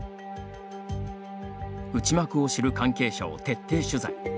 内幕を知る関係者を徹底取材。